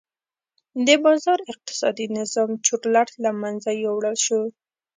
د بازار اقتصادي نظام چورلټ له منځه یووړل شو.